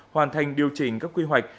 hoàn thành điều chỉnh các quy hoạch